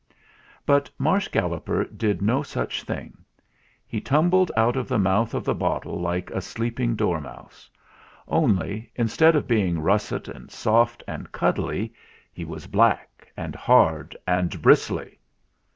But Marsh Galloper did no such thing. He tumbled out of the mouth of the bottle like a sleeping dormouse. Only, instead of being russet and soft and cuddly, he was black and hard and bristly.